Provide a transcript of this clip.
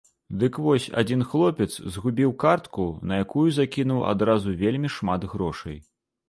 Дык вось, адзін хлопец згубіў картку, на якую закінуў адразу вельмі шмат грошай.